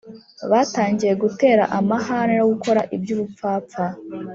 batangiye gutera amahane no gukora iby’ubupfapfa.